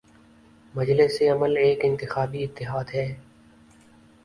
مجلس عمل ایک انتخابی اتحاد ہے۔